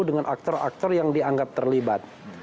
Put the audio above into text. dengan aktor aktor yang dianggap terlibat